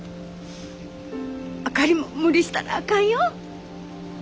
あかりも無理したらあかんよ。